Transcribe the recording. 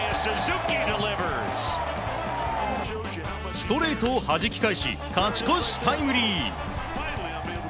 ストレートをはじき返し勝ち越しタイムリー！